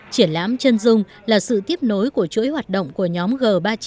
triển lãm chân dung là sự tiếp nối của chuỗi hoạt động của nhóm g ba mươi chín